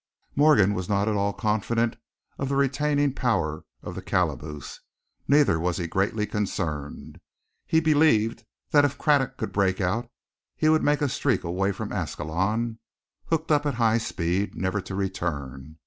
Morgan was not at all confident of the retaining powers of the calaboose, neither was he greatly concerned. He believed that if Craddock could break out he would make a streak away from Ascalon, hooked up at high speed, never to return.